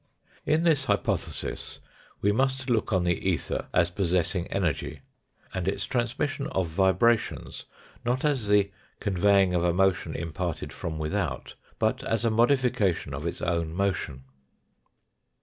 In this hypothesis we must look on the ether as possessing energy, and its transmission of vibrations, not as the conveying of a motion imparted from without, but as a modification of its own motion.